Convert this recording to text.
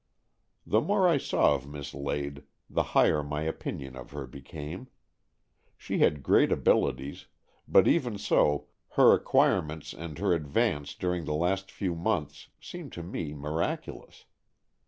The more I saw of Miss Lade, the higher my opinion of her became. She had great abilities, but even so her acquirements and her advance during the last few months seemed to me miraculous.